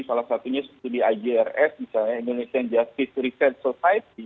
salah satunya studi ijrs misalnya indonesian justice research society